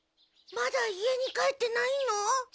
まだ家に帰ってないの？